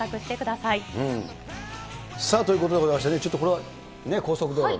さあ、ということでございましてね、ちょっとこれは、高速道路の。